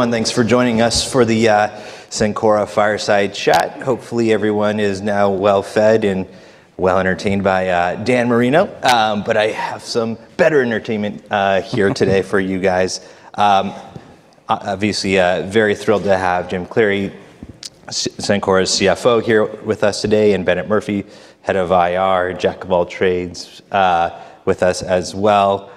Everyone, thanks for joining us for the Cencora Fireside Chat. Hopefully, everyone is now well-fed and well-entertained by Dan Marino. But I have some better entertainment here today for you guys. Obviously, very thrilled to have Jim Cleary, Cencora's CFO, here with us today, and Bennett Murphy, Head of IR, Jack of All Trades, with us as well.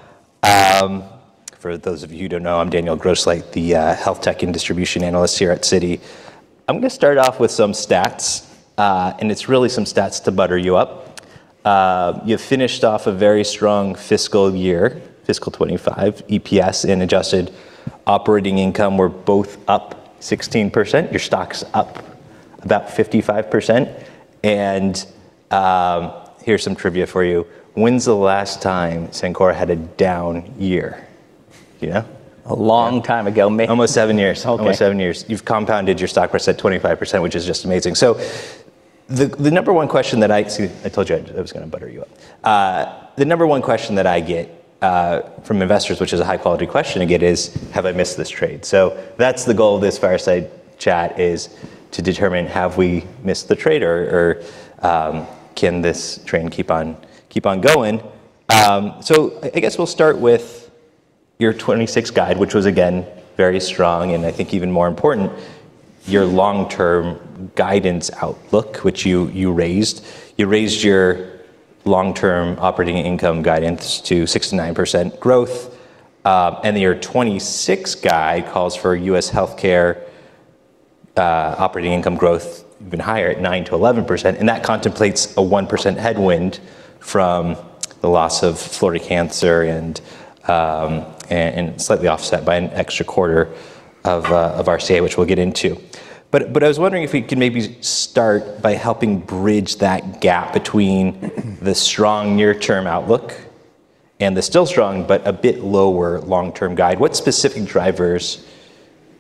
For those of you who don't know, I'm Daniel Grosslight, the Health Tech and Distribution Analyst here at Citi. I'm going to start off with some stats, and it's really some stats to butter you up. You finished off a very strong fiscal year, fiscal 2025. EPS and adjusted operating income were both up 16%. Your stock's up about 55%. And here's some trivia for you. When's the last time Cencora had a down year? A long time ago. Almost seven years. Almost seven years. You've compounded your stock price at 25%, which is just amazing, so the number one question that I get from investors, I told you I was going to butter you up, which is a high-quality question to get, is, have I missed this trade? So that's the goal of this Fireside Chat: to determine, have we missed the trade, or can this trend keep on going? I guess we'll start with your 2026 guide, which was, again, very strong, and I think even more important, your long-term guidance outlook, which you raised. You raised your long-term operating income guidance to 6%-9% growth. And your 2026 guide calls for U.S. healthcare operating income growth even higher at 9%-11%. And that contemplates a 1% headwind from the loss of Florida Cancer and slightly offset by an extra quarter of RCA, which we'll get into. But I was wondering if we could maybe start by helping bridge that gap between the strong near-term outlook and the still strong but a bit lower long-term guide. What specific drivers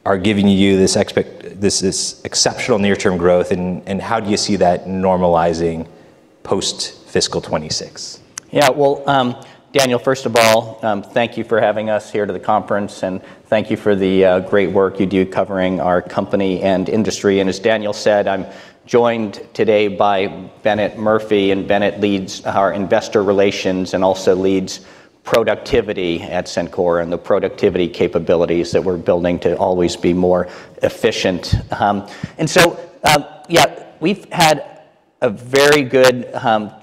are giving you this exceptional near-term growth, and how do you see that normalizing post-fiscal 2026? Yeah, well, Daniel, first of all, thank you for having us here to the conference. And thank you for the great work you do covering our company and industry. And as Daniel said, I'm joined today by Bennett Murphy. And Bennett leads our investor relations and also leads productivity at Cencora and the productivity capabilities that we're building to always be more efficient. And so, yeah, we've had a very good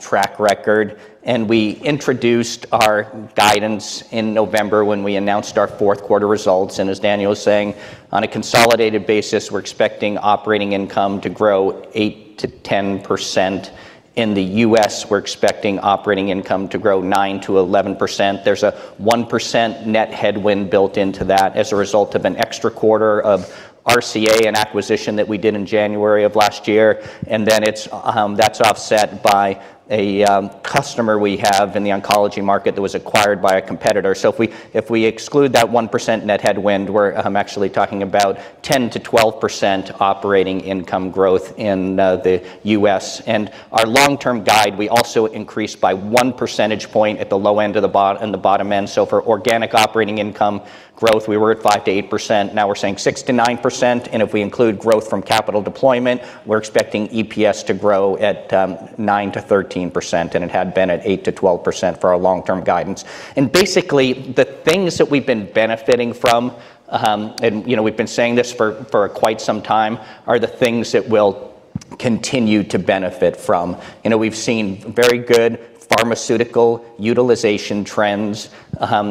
track record. And we introduced our guidance in November when we announced our fourth quarter results. And as Daniel was saying, on a consolidated basis, we're expecting operating income to grow 8%-10%. In the U.S., we're expecting operating income to grow 9%-11%. There's a 1% net headwind built into that as a result of an extra quarter of RCA acquisition that we did in January of last year. And then that's offset by a customer we have in the oncology market that was acquired by a competitor. So if we exclude that 1% net headwind, we're actually talking about 10%-12% operating income growth in the U.S. And our long-term guide, we also increased by one percentage point at the low end and the bottom end. So for organic operating income growth, we were at 5%-8%. Now we're saying 6%-9%. And if we include growth from capital deployment, we're expecting EPS to grow at 9%-13%. And it had been at 8%-12% for our long-term guidance. And basically, the things that we've been benefiting from, and we've been saying this for quite some time, are the things that we'll continue to benefit from. We've seen very good pharmaceutical utilization trends.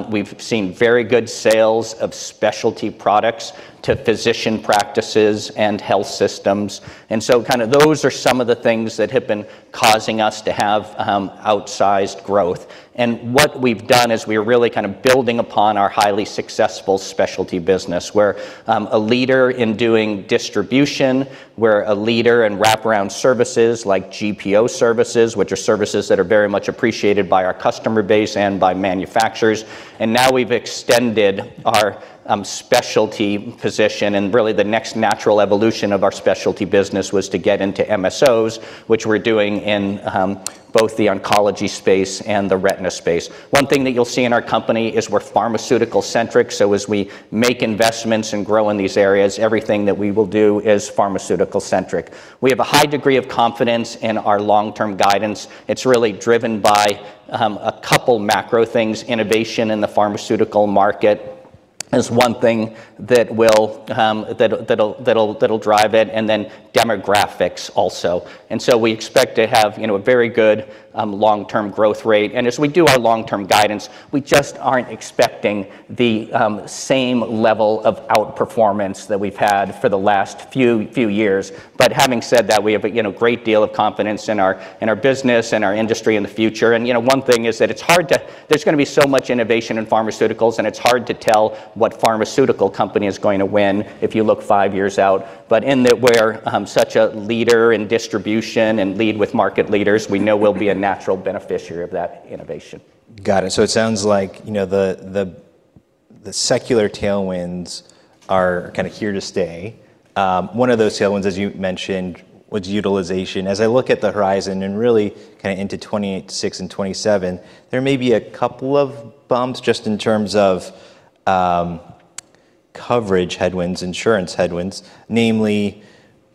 We've seen very good sales of specialty products to physician practices and health systems. And so kind of those are some of the things that have been causing us to have outsized growth. And what we've done is we're really kind of building upon our highly successful specialty business. We're a leader in doing distribution. We're a leader in wraparound services like GPO services, which are services that are very much appreciated by our customer base and by manufacturers. And now we've extended our specialty position. And really, the next natural evolution of our specialty business was to get into MSOs, which we're doing in both the oncology space and the retina space. One thing that you'll see in our company is we're pharmaceutical-centric. So as we make investments and grow in these areas, everything that we will do is pharmaceutical-centric. We have a high degree of confidence in our long-term guidance. It's really driven by a couple of macro things. Innovation in the pharmaceutical market is one thing that will drive it, and then demographics also, and so we expect to have a very good long-term growth rate, and as we do our long-term guidance, we just aren't expecting the same level of outperformance that we've had for the last few years, but having said that, we have a great deal of confidence in our business and our industry in the future, and one thing is that it's hard to. There's going to be so much innovation in pharmaceuticals, and it's hard to tell what pharmaceutical company is going to win if you look five years out, but in that we're such a leader in distribution and lead with market leaders, we know we'll be a natural beneficiary of that innovation. Got it. So it sounds like the secular tailwinds are kind of here to stay. One of those tailwinds, as you mentioned, was utilization. As I look at the horizon and really kind of into 2026 and 2027, there may be a couple of bumps just in terms of coverage headwinds, insurance headwinds. Namely,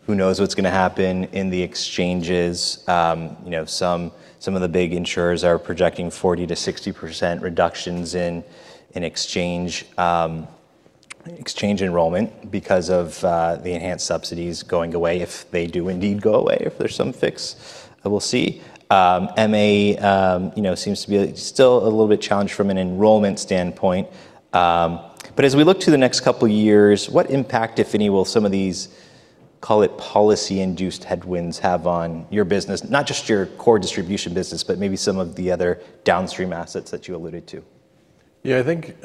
who knows what's going to happen in the exchanges? Some of the big insurers are projecting 40%-60% reductions in exchange enrollment because of the enhanced subsidies going away if they do indeed go away, if there's some fix. We'll see. MA seems to be still a little bit challenged from an enrollment standpoint. But as we look to the next couple of years, what impact, if any, will some of these, call it policy-induced headwinds, have on your business? Not just your core distribution business, but maybe some of the other downstream assets that you alluded to. Yeah, I think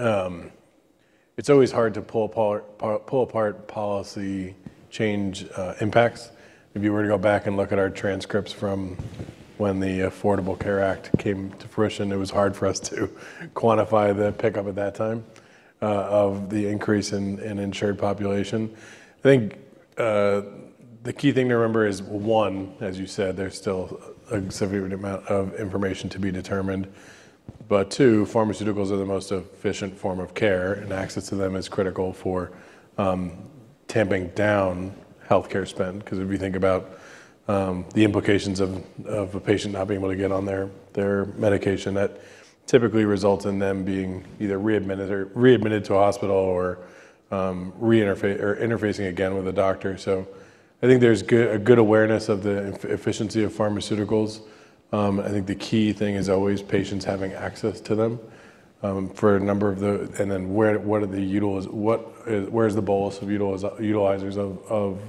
it's always hard to pull apart policy change impacts. If you were to go back and look at our transcripts from when the Affordable Care Act came to fruition, it was hard for us to quantify the pickup at that time of the increase in insured population. I think the key thing to remember is, one, as you said, there's still a significant amount of information to be determined. But two, pharmaceuticals are the most efficient form of care, and access to them is critical for tamping down healthcare spend. Because if you think about the implications of a patient not being able to get on their medication, that typically results in them being either readmitted to a hospital or interfacing again with a doctor. So I think there's a good awareness of the efficiency of pharmaceuticals. I think the key thing is always patients having access to them for a number of the, and then where are the utilizers? Where's the bolus of utilizers of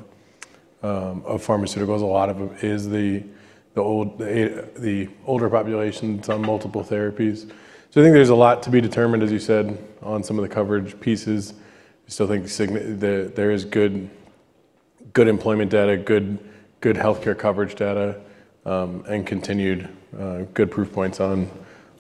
pharmaceuticals? A lot of it is the older population that's on multiple therapies. So I think there's a lot to be determined, as you said, on some of the coverage pieces. I still think there is good employment data, good healthcare coverage data, and continued good proof points on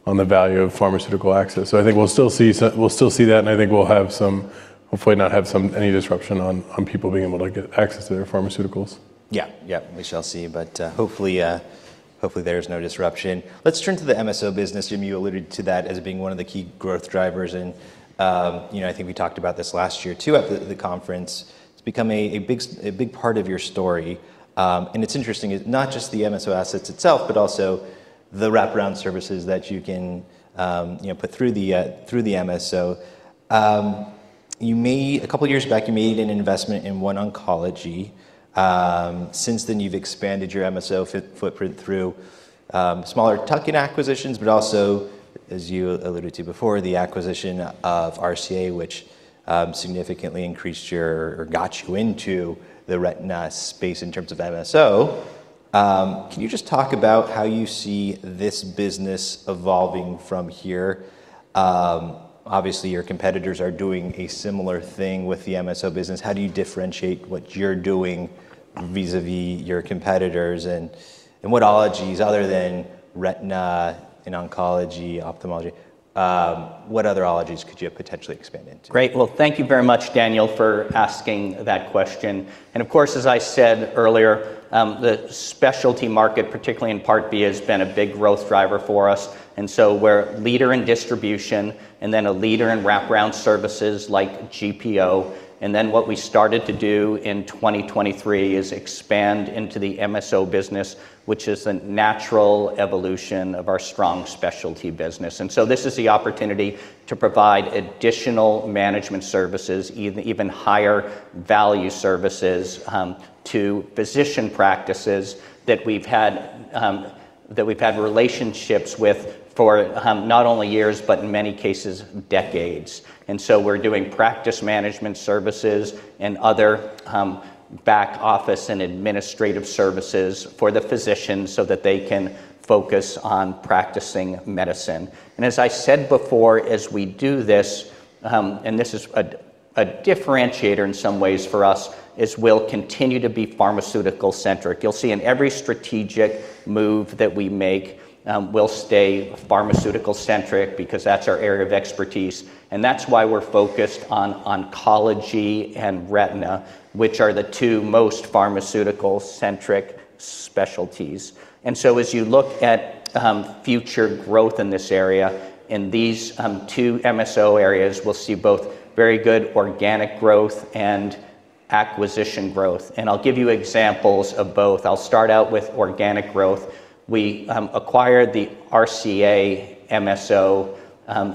the value of pharmaceutical access. So I think we'll still see that, and I think we'll have some, hopefully not have any disruption on people being able to get access to their pharmaceuticals. Yeah, yeah, we shall see. But hopefully there is no disruption. Let's turn to the MSO business. Jim, you alluded to that as being one of the key growth drivers. And I think we talked about this last year too at the conference. It's become a big part of your story. And it's interesting, not just the MSO assets itself, but also the wraparound services that you can put through the MSO. A couple of years back, you made an investment in OneOncology. Since then, you've expanded your MSO footprint through smaller tuck-in acquisitions, but also, as you alluded to before, the acquisition of RCA, which significantly increased your, or got you into the retina space in terms of MSO. Can you just talk about how you see this business evolving from here? Obviously, your competitors are doing a similar thing with the MSO business. How do you differentiate what you're doing vis-à-vis your competitors? And what other ologies, other than retina, oncology, and ophthalmology, could you potentially expand into? Great. Well, thank you very much, Daniel, for asking that question. And of course, as I said earlier, the specialty market, particularly in Part B, has been a big growth driver for us. And so we're a leader in distribution and then a leader in wraparound services like GPO. And then what we started to do in 2023 is expand into the MSO business, which is a natural evolution of our strong specialty business. And so this is the opportunity to provide additional management services, even higher value services to physician practices that we've had relationships with for not only years, but in many cases, decades. And so we're doing practice management services and other back office and administrative services for the physicians so that they can focus on practicing medicine. As I said before, as we do this, and this is a differentiator in some ways for us, is we'll continue to be pharmaceutical-centric. You'll see in every strategic move that we make, we'll stay pharmaceutical-centric because that's our area of expertise. And that's why we're focused on oncology and retina, which are the two most pharmaceutical-centric specialties. And so as you look at future growth in this area, in these two MSO areas, we'll see both very good organic growth and acquisition growth. And I'll give you examples of both. I'll start out with organic growth. We acquired the RCA MSO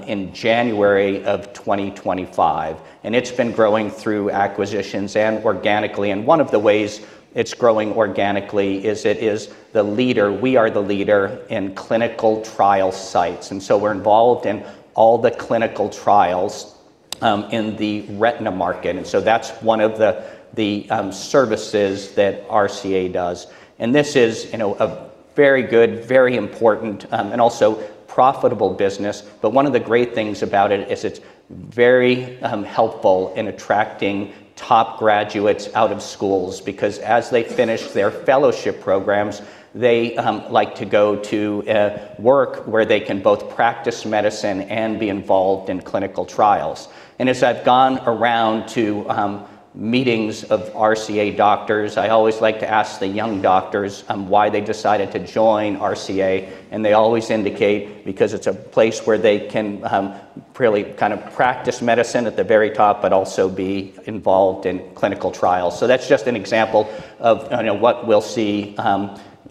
in January of 2025. And it's been growing through acquisitions and organically. And one of the ways it's growing organically is it is the leader. We are the leader in clinical trial sites. And so we're involved in all the clinical trials in the retina market. And so that's one of the services that RCA does. And this is a very good, very important, and also profitable business. But one of the great things about it is it's very helpful in attracting top graduates out of schools because as they finish their fellowship programs, they like to go to work where they can both practice medicine and be involved in clinical trials. And as I've gone around to meetings of RCA doctors, I always like to ask the young doctors why they decided to join RCA. And they always indicate because it's a place where they can really kind of practice medicine at the very top, but also be involved in clinical trials. So that's just an example of what we'll see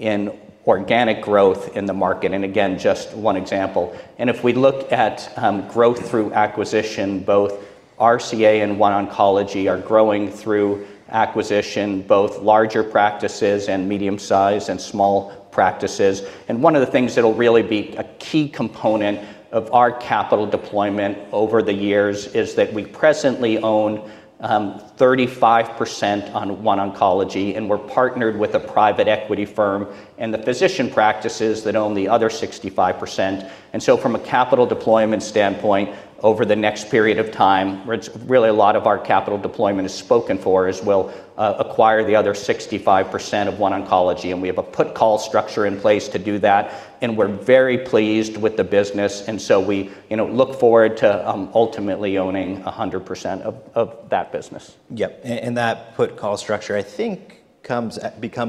in organic growth in the market. And again, just one example. If we look at growth through acquisition, both RCA and OneOncology are growing through acquisition, both larger practices and medium-sized and small practices. One of the things that'll really be a key component of our capital deployment over the years is that we presently own 35% of OneOncology. We're partnered with a private equity firm and the physician practices that own the other 65%. So from a capital deployment standpoint, over the next period of time, really a lot of our capital deployment is spoken for as we'll acquire the other 65% of OneOncology. We have a put-call structure in place to do that. We're very pleased with the business. So we look forward to ultimately owning 100% of that business. Yep. And that put-call structure, I think, becomes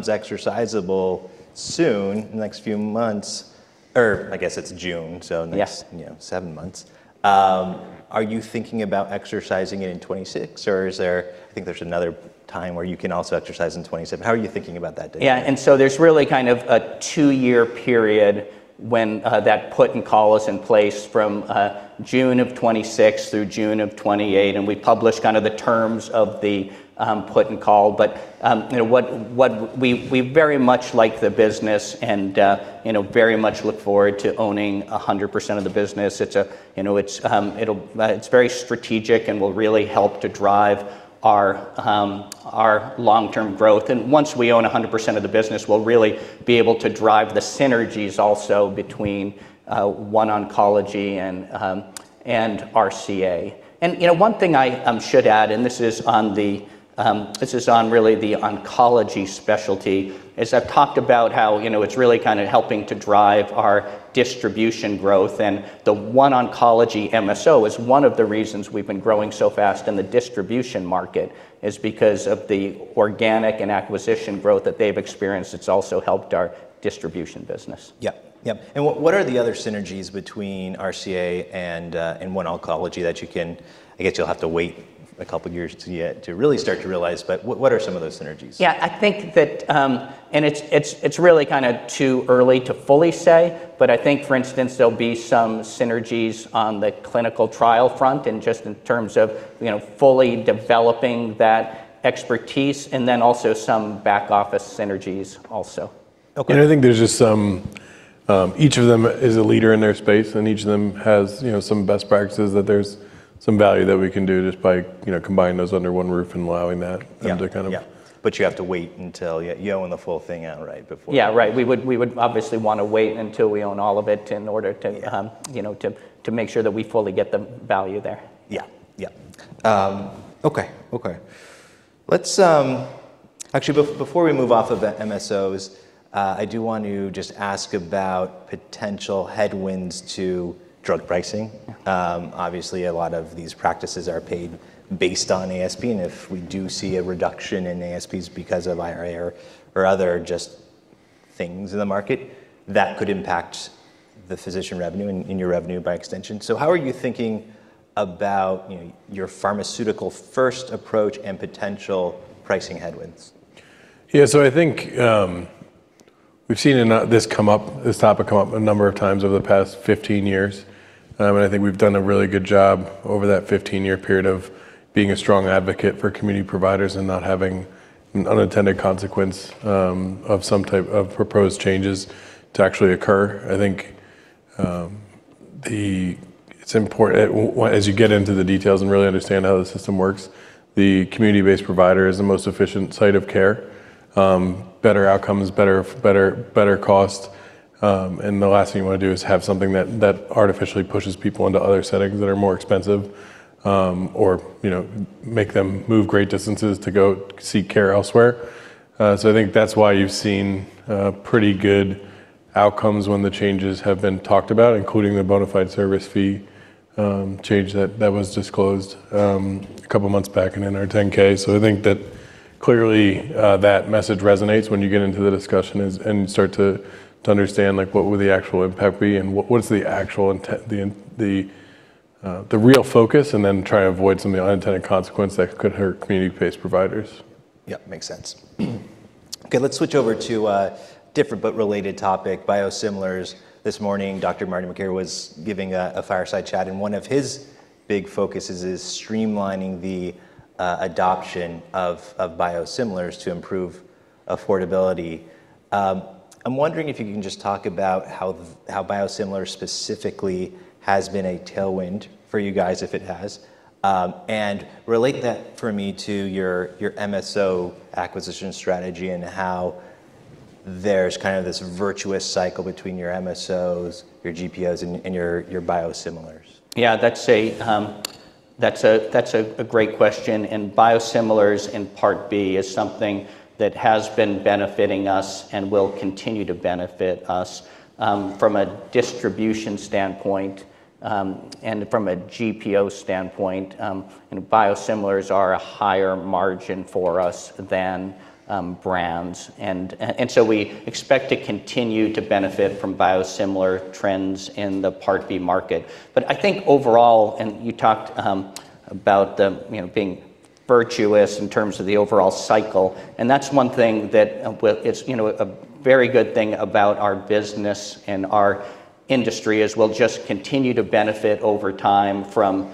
exercisable soon, in the next few months. Or I guess it's June, so in the next seven months. Are you thinking about exercising it in 2026? Or I think there's another time where you can also exercise in 2027. How are you thinking about that deal? Yeah. And so there's really kind of a two-year period when that put-and-call is in place from June of 2026 through June of 2028. And we publish kind of the terms of the put-and-call. But we very much like the business and very much look forward to owning 100% of the business. It's very strategic and will really help to drive our long-term growth. And once we own 100% of the business, we'll really be able to drive the synergies also between OneOncology and RCA. And one thing I should add, and this is on really the oncology specialty, is I've talked about how it's really kind of helping to drive our distribution growth. And the OneOncology MSO is one of the reasons we've been growing so fast in the distribution market is because of the organic and acquisition growth that they've experienced. It's also helped our distribution business. Yep, yep. And what are the other synergies between RCA and OneOncology that you can, I guess you'll have to wait a couple of years to really start to realize, but what are some of those synergies? Yeah, I think that, and it's really kind of too early to fully say, but I think, for instance, there'll be some synergies on the clinical trial front and just in terms of fully developing that expertise and then also some back office synergies also. I think there's just each of them is a leader in their space, and each of them has some best practices that there's some value that we can do just by combining those under one roof and allowing that to kind of. Yeah, but you have to wait until you own the full thing outright before. Yeah, right. We would obviously want to wait until we own all of it in order to make sure that we fully get the value there. Actually, before we move off of the MSOs, I do want to just ask about potential headwinds to drug pricing. Obviously, a lot of these practices are paid based on ASP. And if we do see a reduction in ASPs because of IRA or other just things in the market, that could impact the physician revenue and your revenue by extension. So how are you thinking about your pharmaceutical-first approach and potential pricing headwinds? Yeah, so I think we've seen this topic come up a number of times over the past 15 years. And I think we've done a really good job over that 15-year period of being a strong advocate for community providers and not having an unintended consequence of some type of proposed changes to actually occur. I think it's important, as you get into the details and really understand how the system works, the community-based provider is the most efficient site of care. Better outcomes, better cost. And the last thing you want to do is have something that artificially pushes people into other settings that are more expensive or make them move great distances to go seek care elsewhere. So I think that's why you've seen pretty good outcomes when the changes have been talked about, including the Bona Fide Service Fee change that was disclosed a couple of months back and in our 10-K. So I think that clearly that message resonates when you get into the discussion and start to understand what will the actual impact be and what's the real focus and then try and avoid some of the unintended consequences that could hurt community-based providers. Yep, makes sense. Okay, let's switch over to a different but related topic, biosimilars. This morning, Dr. Marty Makary was giving a fireside chat, and one of his big focuses is streamlining the adoption of biosimilars to improve affordability. I'm wondering if you can just talk about how biosimilars specifically has been a tailwind for you guys, if it has, and relate that for me to your MSO acquisition strategy and how there's kind of this virtuous cycle between your MSOs, your GPOs, and your biosimilars. Yeah, that's a great question. And biosimilars in Part B is something that has been benefiting us and will continue to benefit us from a distribution standpoint and from a GPO standpoint. Biosimilars are a higher margin for us than brands. And so we expect to continue to benefit from biosimilar trends in the Part B market. But I think overall, and you talked about being virtuous in terms of the overall cycle. And that's one thing that is a very good thing about our business and our industry is we'll just continue to benefit over time from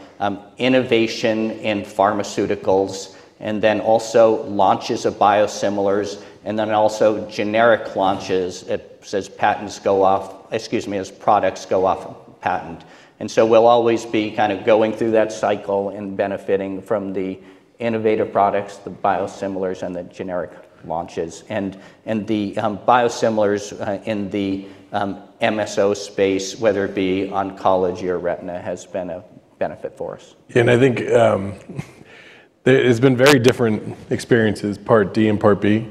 innovation in pharmaceuticals and then also launches of biosimilars and then also generic launches as patents go off, excuse me, as products go off patent. And so we'll always be kind of going through that cycle and benefiting from the innovative products, the biosimilars, and the generic launches. And the biosimilars in the MSO space, whether it be oncology or retina, has been a benefit for us. I think there's been very different experiences, Part D and Part B.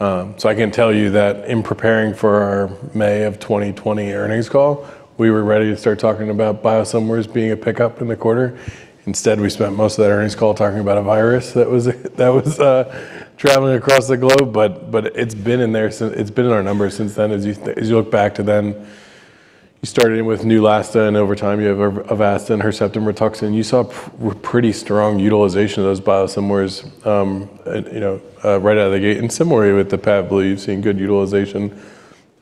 So I can tell you that in preparing for our May of 2020 earnings call, we were ready to start talking about biosimilars being a pickup in the quarter. Instead, we spent most of that earnings call talking about a virus that was traveling across the globe. But it's been in there. It's been in our numbers since then. As you look back to then, you started with Neulasta, and over time you have Avastin, Herceptin, RITUXAN. You saw pretty strong utilization of those biosimilars right out of the gate. And similarly with the PAV, you've seen good utilization.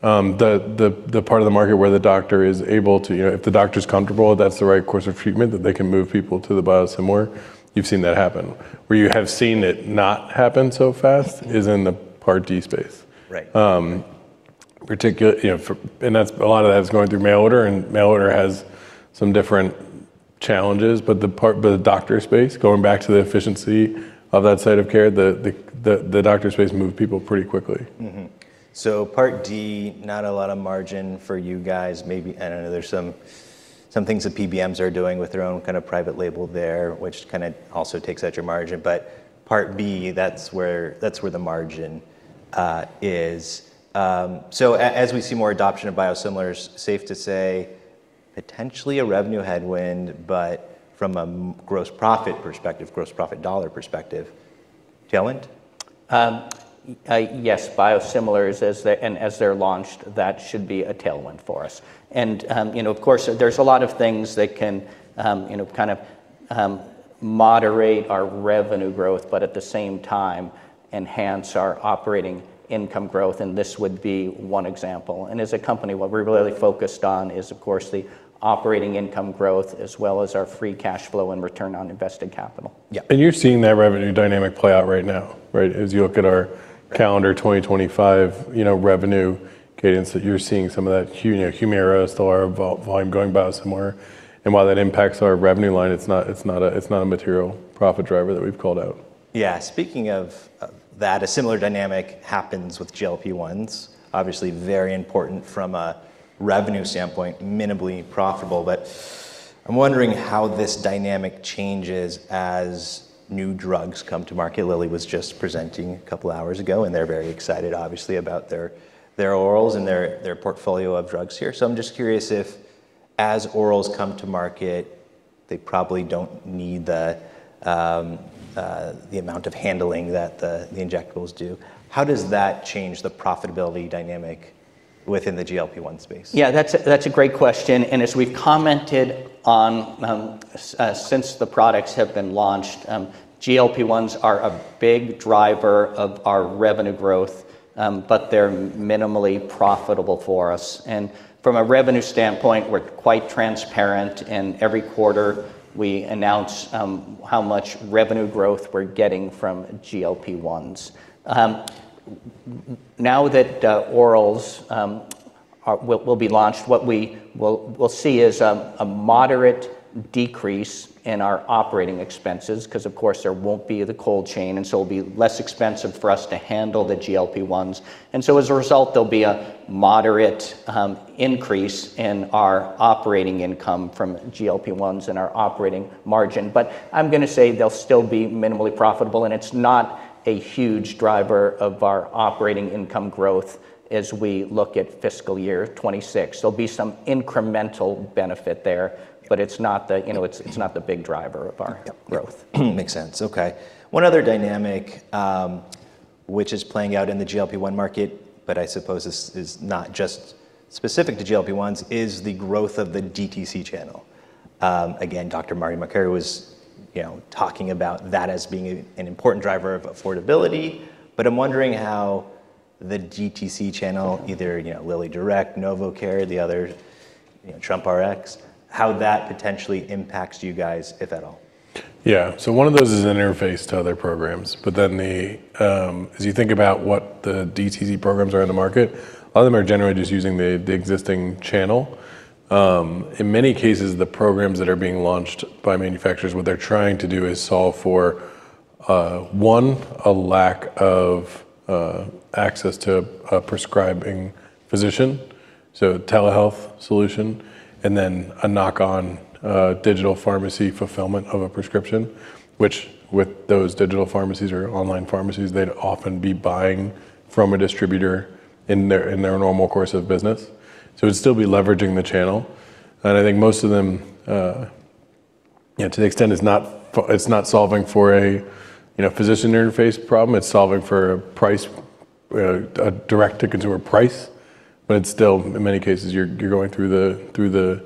The part of the market where the doctor is able to, if the doctor's comfortable, that's the right course of treatment that they can move people to the biosimilar. You've seen that happen. Where you have seen it not happen so fast is in the Part D space. And a lot of that is going through mail order, and mail order has some different challenges. But the doctor space, going back to the efficiency of that site of care, the doctor space moved people pretty quickly. So Part D, not a lot of margin for you guys. And I know there's some things that PBMs are doing with their own kind of private label there, which kind of also takes out your margin. But Part B, that's where the margin is. So as we see more adoption of biosimilars, safe to say potentially a revenue headwind, but from a gross profit perspective, gross profit dollar perspective, challenged? Yes, biosimilars, and as they're launched, that should be a tailwind for us. And of course, there's a lot of things that can kind of moderate our revenue growth, but at the same time, enhance our operating income growth. And this would be one example. And as a company, what we're really focused on is, of course, the operating income growth as well as our free cash flow and return on invested capital. Yeah. And you're seeing that revenue dynamic play out right now, right? As you look at our calendar 2025 revenue cadence, you're seeing some of that HUMIRA, STELARA volume going by somewhere. And while that impacts our revenue line, it's not a material profit driver that we've called out. Yeah. Speaking of that, a similar dynamic happens with GLP-1s. Obviously, very important from a revenue standpoint, minimally profitable. But I'm wondering how this dynamic changes as new drugs come to market. Lilly was just presenting a couple of hours ago, and they're very excited, obviously, about their orals and their portfolio of drugs here. So I'm just curious if, as orals come to market, they probably don't need the amount of handling that the injectables do. How does that change the profitability dynamic within the GLP-1 space? Yeah, that's a great question. And as we've commented on, since the products have been launched, GLP-1s are a big driver of our revenue growth, but they're minimally profitable for us. And from a revenue standpoint, we're quite transparent. And every quarter, we announce how much revenue growth we're getting from GLP-1s. Now that orals will be launched, what we will see is a moderate decrease in our operating expenses because, of course, there won't be the cold chain. And so it'll be less expensive for us to handle the GLP-1s. And so, as a result, there'll be a moderate increase in our operating income from GLP-1s and our operating margin. But I'm going to say they'll still be minimally profitable. And it's not a huge driver of our operating income growth as we look at fiscal year 2026. There'll be some incremental benefit there, but it's not the big driver of our growth. Makes sense. Okay. One other dynamic which is playing out in the GLP-1 market, but I suppose this is not just specific to GLP-1s, is the growth of the DTC channel. Again, Dr. Marty Makary was talking about that as being an important driver of affordability. But I'm wondering how the DTC channel, either LillyDirect, NovoCare, the other TrumpRx, how that potentially impacts you guys, if at all. Yeah. So one of those is an interface to other programs. But then as you think about what the DTC programs are in the market, a lot of them are generally just using the existing channel. In many cases, the programs that are being launched by manufacturers, what they're trying to do is solve for, one, a lack of access to a prescribing physician, so a telehealth solution, and then a knock-on digital pharmacy fulfillment of a prescription, which with those digital pharmacies or online pharmacies, they'd often be buying from a distributor in their normal course of business. So it'd still be leveraging the channel. And I think most of them, to the extent it's not solving for a physician interface problem, it's solving for a direct-to-consumer price. But it's still, in many cases, you're going through the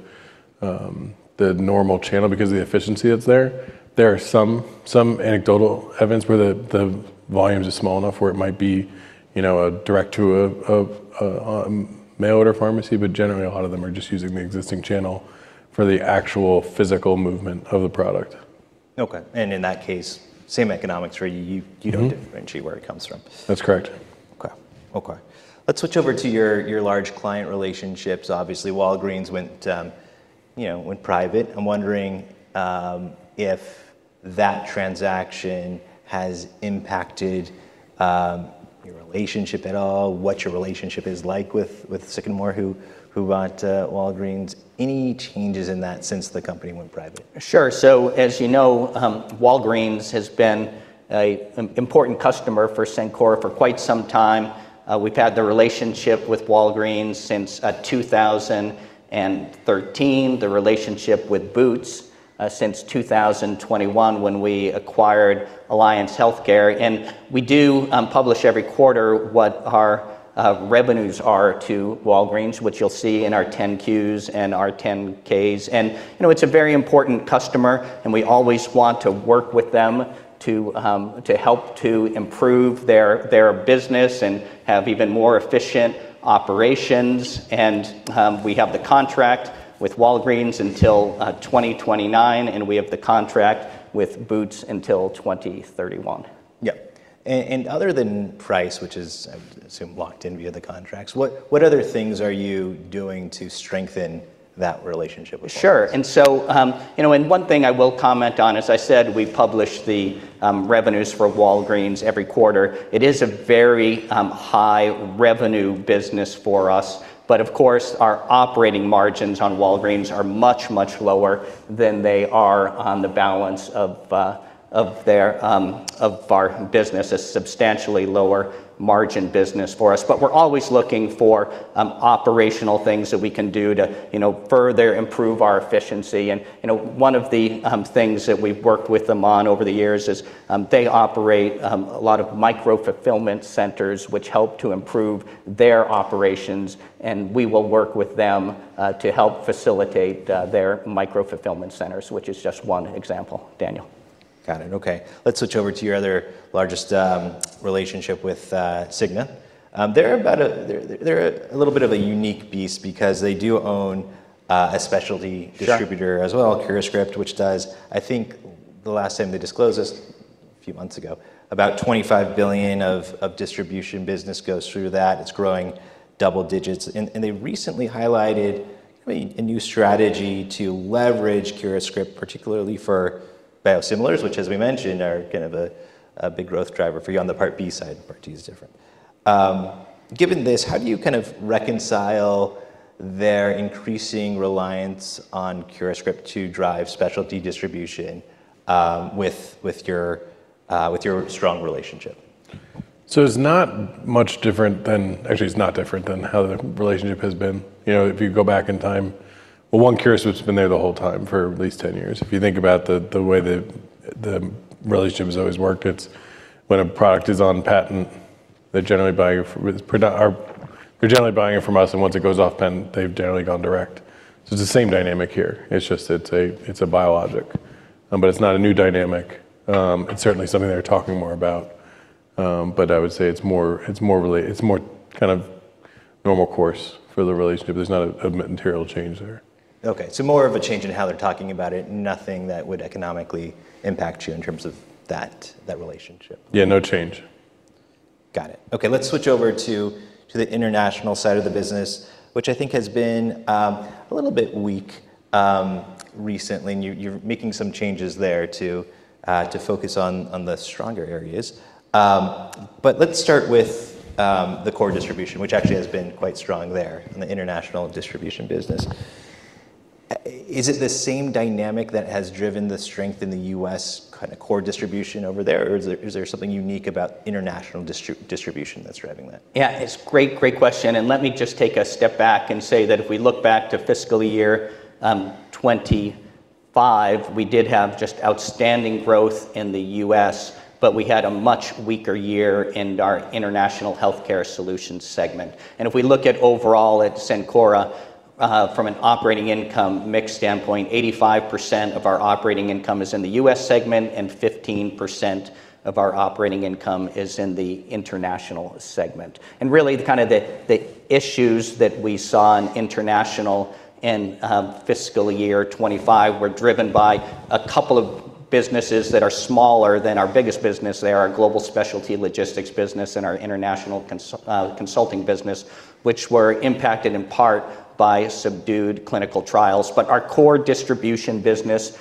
normal channel because of the efficiency that's there. There are some anecdotal evidence where the volume is small enough where it might be a direct-to-mail order pharmacy, but generally, a lot of them are just using the existing channel for the actual physical movement of the product. Okay. And in that case, same economics, right? You don't differentiate where it comes from. That's correct. Okay, okay. Let's switch over to your large client relationships. Obviously, Walgreens went private. I'm wondering if that transaction has impacted your relationship at all, what your relationship is like with Sycamore, who bought Walgreens. Any changes in that since the company went private? Sure. So, as you know, Walgreens has been an important customer for Cencora for quite some time. We've had the relationship with Walgreens since 2013, the relationship with Boots since 2021 when we acquired Alliance Healthcare. And we do publish every quarter what our revenues are to Walgreens, which you'll see in our 10-Qs and our 10-Ks. And it's a very important customer, and we always want to work with them to help to improve their business and have even more efficient operations. And we have the contract with Walgreens until 2029, and we have the contract with Boots until 2031. Yeah. And other than price, which is, I assume, locked in via the contracts, what other things are you doing to strengthen that relationship with Walgreens? Sure. And one thing I will comment on, as I said, we publish the revenues for Walgreens every quarter. It is a very high revenue business for us. But, of course, our operating margins on Walgreens are much, much lower than they are on the balance of our business. It's a substantially lower margin business for us. But we're always looking for operational things that we can do to further improve our efficiency. And one of the things that we've worked with them on over the years is they operate a lot of micro-fulfillment centers, which help to improve their operations. And we will work with them to help facilitate their micro-fulfillment centers, which is just one example, Daniel. Got it. Okay. Let's switch over to your other largest relationship with Cigna. They're a little bit of a unique beast because they do own a specialty distributor as well, CuraScript, which does, I think the last time they disclosed this a few months ago, about $25 billion of distribution business goes through that. It's growing double digits. And they recently highlighted a new strategy to leverage CuraScript, particularly for biosimilars, which, as we mentioned, are kind of a big growth driver for you on the Part B side. Part D is different. Given this, how do you kind of reconcile their increasing reliance on CuraScript to drive specialty distribution with your strong relationship? So it's not much different than actually, it's not different than how the relationship has been. If you go back in time, well, one, CuraScript's been there the whole time for at least 10 years. If you think about the way the relationship has always worked, it's when a product is on patent, they're generally buying it from us. And once it goes off patent, they've generally gone direct. So it's the same dynamic here. It's just it's a biologic, but it's not a new dynamic. It's certainly something they're talking more about. But I would say it's more kind of normal course for the relationship. There's not a material change there. Okay. So more of a change in how they're talking about it, nothing that would economically impact you in terms of that relationship. Yeah, no change. Got it. Okay. Let's switch over to the international side of the business, which I think has been a little bit weak recently, and you're making some changes there to focus on the stronger areas, but let's start with the core distribution, which actually has been quite strong there in the international distribution business. Is it the same dynamic that has driven the strength in the U.S. kind of core distribution over there? Or is there something unique about international distribution that's driving that? Yeah, it's a great, great question. And let me just take a step back and say that if we look back to fiscal year 2025, we did have just outstanding growth in the U.S., but we had a much weaker year in our international healthcare solution segment. And if we look at overall at Cencora from an operating income mix standpoint, 85% of our operating income is in the U.S. segment, and 15% of our operating income is in the international segment. And really, the kind of the issues that we saw in international in fiscal year 2025 were driven by a couple of businesses that are smaller than our biggest business. They are our global specialty logistics business and our international consulting business, which were impacted in part by subdued clinical trials. But our core distribution business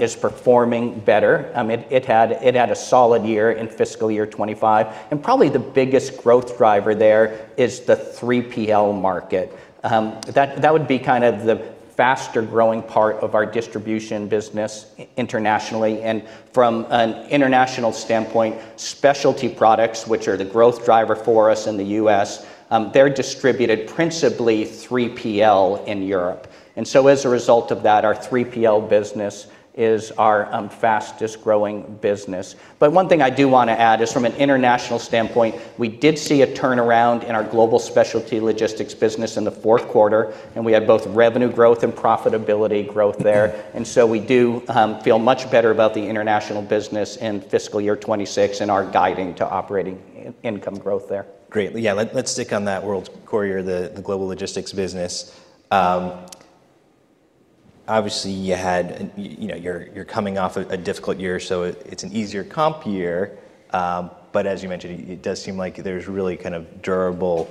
is performing better. It had a solid year in fiscal year 2025. And probably the biggest growth driver there is the 3PL market. That would be kind of the faster growing part of our distribution business internationally. And from an international standpoint, specialty products, which are the growth driver for us in the U.S., they're distributed principally 3PL in Europe. And so, as a result of that, our 3PL business is our fastest growing business. But one thing I do want to add is, from an international standpoint, we did see a turnaround in our global specialty logistics business in the fourth quarter. And we had both revenue growth and profitability growth there. And so we do feel much better about the international business in fiscal year 2026 and our guiding to operating income growth there. Great. Yeah, let's stick on that World Courier, the global logistics business. Obviously, you're coming off a difficult year, so it's an easier comp year. But as you mentioned, it does seem like there's really kind of durable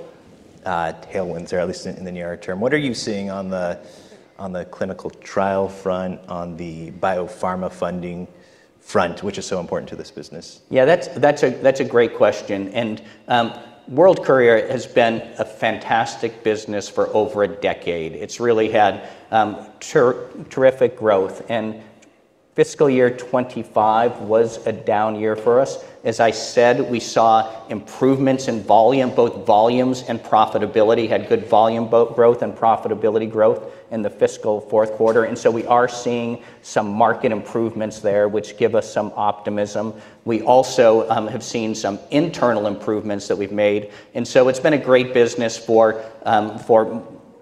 tailwinds there, at least in the near term. What are you seeing on the clinical trial front, on the biopharma funding front, which is so important to this business? Yeah, that's a great question. And World Courier has been a fantastic business for over a decade. It's really had terrific growth. And fiscal year 2025 was a down year for us. As I said, we saw improvements in volume, both volumes and profitability. Had good volume growth and profitability growth in the fiscal fourth quarter. And so we are seeing some market improvements there, which give us some optimism. We also have seen some internal improvements that we've made. And so it's been a great business for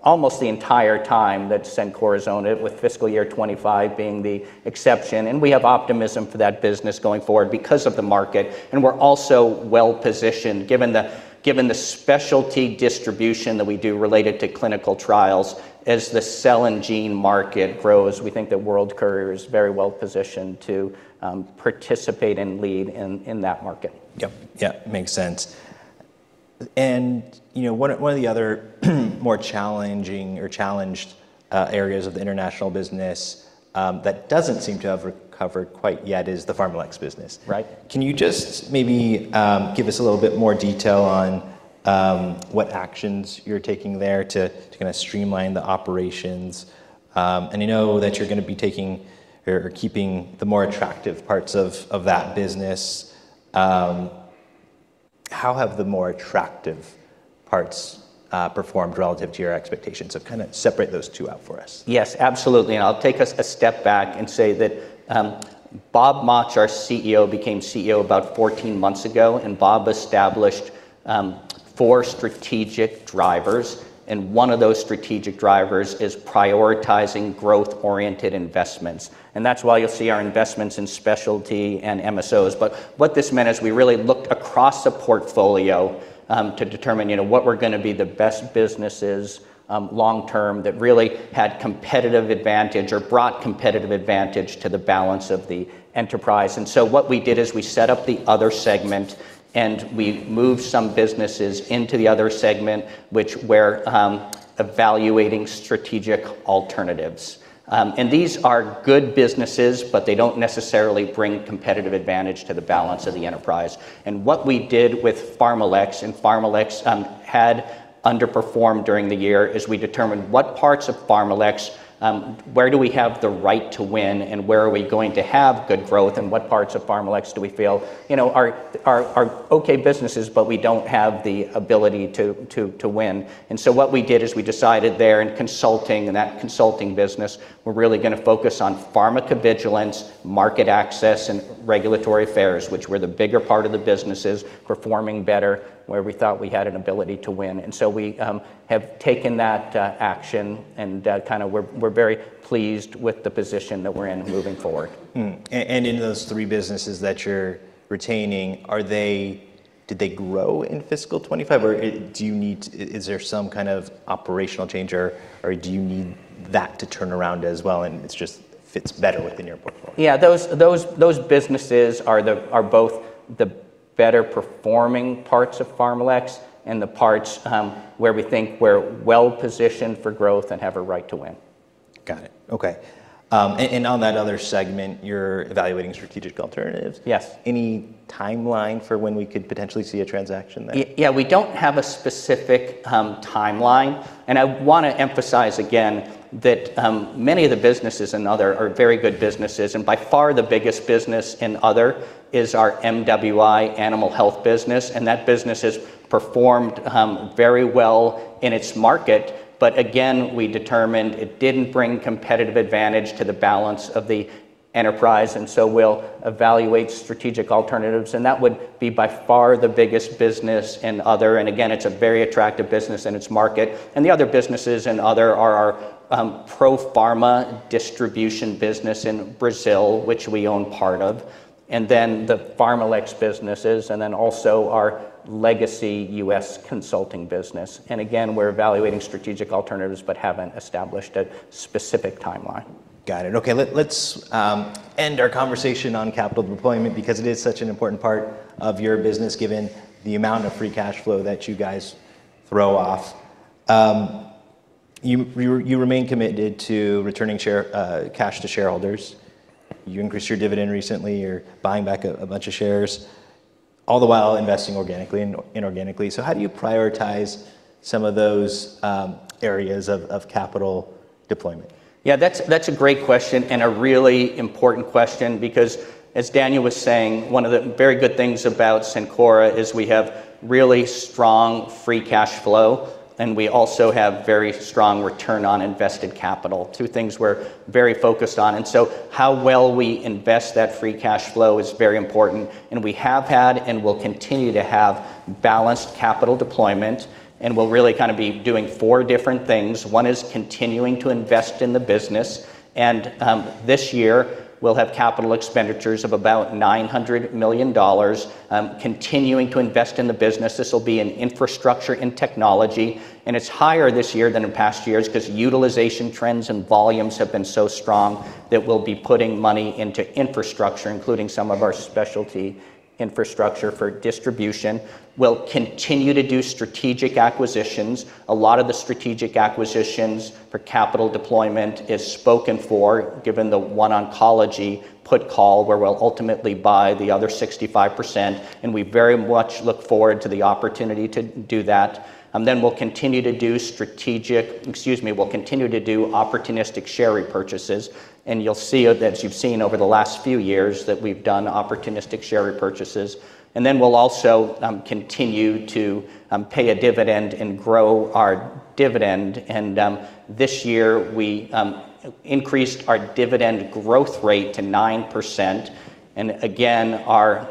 almost the entire time that Cencora has owned it, with fiscal year 2025 being the exception. And we have optimism for that business going forward because of the market. And we're also well-positioned, given the specialty distribution that we do related to clinical trials. As the cell and gene market grows, we think that World Courier is very well-positioned to participate and lead in that market. Yep. Yeah, makes sense. And one of the other more challenging or challenged areas of the international business that doesn't seem to have recovered quite yet is the PharmaLex business, right? Can you just maybe give us a little bit more detail on what actions you're taking there to kind of streamline the operations? And I know that you're going to be taking or keeping the more attractive parts of that business. How have the more attractive parts performed relative to your expectations? So kind of separate those two out for us. Yes, absolutely. And I'll take us a step back and say that Bob Mauch, our CEO, became CEO about 14 months ago. And Bob established four strategic drivers. And one of those strategic drivers is prioritizing growth-oriented investments. And that's why you'll see our investments in specialty and MSOs. But what this meant is we really looked across the portfolio to determine what were going to be the best businesses long-term that really had competitive advantage or brought competitive advantage to the balance of the enterprise. And so what we did is we set up the other segment, and we moved some businesses into the other segment, which were evaluating strategic alternatives. And these are good businesses, but they don't necessarily bring competitive advantage to the balance of the enterprise. What we did with PharmaLex and PharmaLex had underperformed during the year is we determined what parts of PharmaLex, where do we have the right to win, and where are we going to have good growth, and what parts of PharmaLex do we feel are okay businesses, but we don't have the ability to win. So what we did is we decided there in consulting and that consulting business, we're really going to focus on pharmacovigilance, market access, and regulatory affairs, which were the bigger part of the businesses, performing better, where we thought we had an ability to win. So we have taken that action, and kind of we're very pleased with the position that we're in moving forward. In those three businesses that you're retaining, did they grow in fiscal 2025? Or is there some kind of operational change, or do you need that to turn around as well and it just fits better within your portfolio? Yeah, those businesses are both the better-performing parts of PharmaLex and the parts where we think we're well-positioned for growth and have a right to win. Got it. Okay. And on that other segment, you're evaluating strategic alternatives. Yes. Any timeline for when we could potentially see a transaction there? Yeah, we don't have a specific timeline. And I want to emphasize again that many of the businesses in other are very good businesses. And by far the biggest business in other is our MWI Animal Health business. And that business has performed very well in its market. But again, we determined it didn't bring competitive advantage to the balance of the enterprise. And so we'll evaluate strategic alternatives. And that would be by far the biggest business in other. And again, it's a very attractive business in its market. And the other businesses in other are our Profarma distribution business in Brazil, which we own part of, and then the PharmaLex businesses, and then also our legacy U.S. consulting business. And again, we're evaluating strategic alternatives but haven't established a specific timeline. Got it. Okay. Let's end our conversation on capital deployment because it is such an important part of your business, given the amount of free cash flow that you guys throw off. You remain committed to returning cash to shareholders. You increased your dividend recently. You're buying back a bunch of shares, all the while investing organically and inorganically. So how do you prioritize some of those areas of capital deployment? Yeah, that's a great question and a really important question because, as Daniel was saying, one of the very good things about Cencora is we have really strong free cash flow, and we also have very strong return on invested capital, two things we're very focused on. And so how well we invest that free cash flow is very important. And we have had and will continue to have balanced capital deployment. And we'll really kind of be doing four different things. One is continuing to invest in the business. And this year, we'll have capital expenditures of about $900 million, continuing to invest in the business. This will be in infrastructure and technology. And it's higher this year than in past years because utilization trends and volumes have been so strong that we'll be putting money into infrastructure, including some of our specialty infrastructure for distribution. We'll continue to do strategic acquisitions. A lot of the strategic acquisitions for capital deployment is spoken for, given the OneOncology put call where we'll ultimately buy the other 65%. And we very much look forward to the opportunity to do that. And then we'll continue to do strategic excuse me, we'll continue to do opportunistic share repurchases. And you'll see that as you've seen over the last few years that we've done opportunistic share repurchases. And then we'll also continue to pay a dividend and grow our dividend. And this year, we increased our dividend growth rate to 9%. And again, our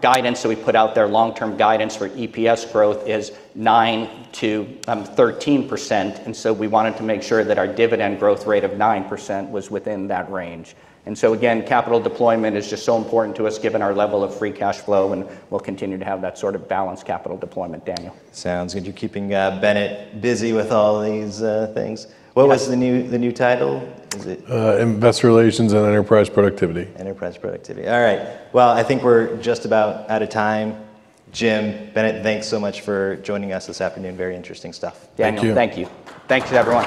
guidance that we put out there, long-term guidance for EPS growth, is 9%-13%. And so we wanted to make sure that our dividend growth rate of 9% was within that range. And so again, capital deployment is just so important to us, given our level of free cash flow. And we'll continue to have that sort of balanced capital deployment, Daniel. Sounds good. You're keeping Bennett busy with all these things. What was the new title? Investor Relations and Enterprise Productivity. Enterprise Productivity. All right. Well, I think we're just about out of time. Jim, Bennett, thanks so much for joining us this afternoon. Very interesting stuff. Thank you. Daniel. Thank you. Thanks to everyone.